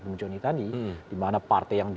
brumjoni tadi dimana partai yang